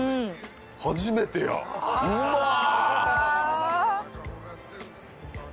初めてやうまっ！